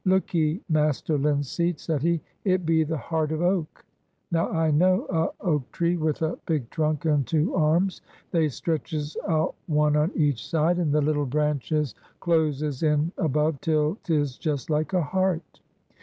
"Look 'ee, Master Linseed," said he. "It be the Heart of Oak. Now I know a oak tree with a big trunk and two arms. They stretches out one on each side, and the little branches closes in above till 'tis just like a heart.